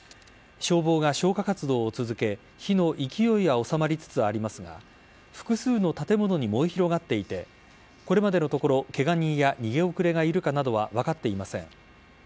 消防が消火活動を続け火の勢いは収まりつつありますが複数の建物に燃え広がっていてこれまでのところケガ人や逃げ遅れがいるかなどは分かっていません。